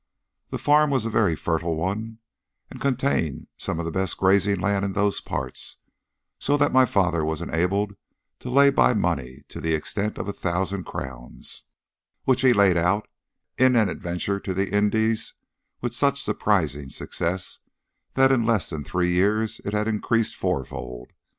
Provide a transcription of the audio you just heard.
The farm was a very fertile one, and contained some of the best grazing land in those parts, so that my father was enabled to lay by money to the extent of a thousand crowns, which he laid out in an adventure to the Indies with such surprising success that in less than three years it had increased fourfold.